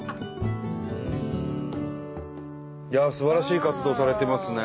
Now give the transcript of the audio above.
いやあすばらしい活動をされてますね。